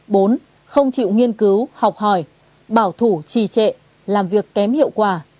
bốn không chịu nghiên cứu học hỏi bảo thủ trì trệ làm việc kém hiệu quả